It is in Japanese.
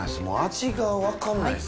味が分かんないです。